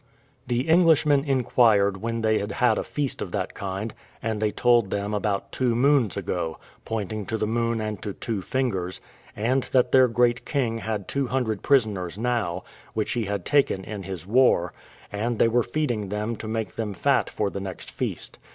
The Englishmen inquired when they had had a feast of that kind; and they told them about two moons ago, pointing to the moon and to two fingers; and that their great king had two hundred prisoners now, which he had taken in his war, and they were feeding them to make them fat for the next feast.